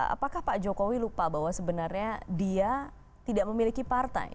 apakah pak jokowi lupa bahwa sebenarnya dia tidak memiliki partai